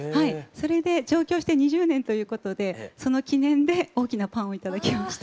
それで上京して２０年ということでその記念で大きなパンを頂きました。